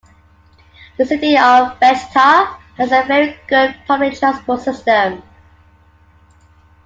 The City of Vechta has a very good public transport system.